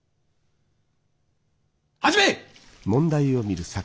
始め！